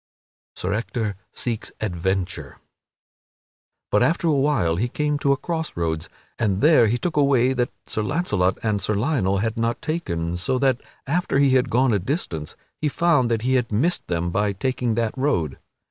[Sidenote: Sir Ector seeks adventure] But after a while he came to a cross roads, and there he took a way that Sir Launcelot and Sir Lionel had not taken; so that, after he had gone a distance, he found that he had missed them by taking that road.